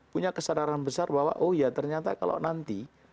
punya kesadaran besar bahwa oh ya ternyata kalau nanti